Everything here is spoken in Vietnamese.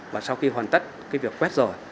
và sau khi hoàn tất việc quét rồi